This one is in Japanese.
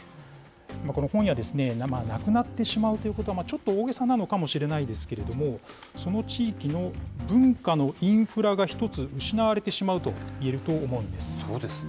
この本屋、なくなってしまうということはちょっと大げさなのかもしれないですけれども、その地域の文化のインフラが一つ失われてしまうといえると思うんです。